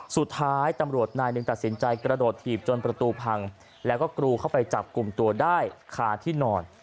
สุดท้ายตำรวจนายหนึ่งตัดสินใจกระโดดถีบจนประตูพังแล้วก็กรูเข้าไปจับกลุ่มตัวได้คาที่นอน